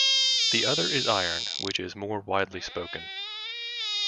The other is Iron, which is more widely spoken.